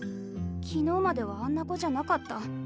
昨日まではあんな子じゃなかった。